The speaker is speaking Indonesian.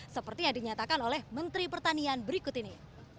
seperti yang dinyatakan oleh menteri pertanian berikut ini